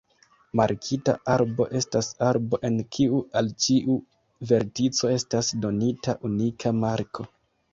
Markita arbo estas arbo en kiu al ĉiu vertico estas donita unika marko.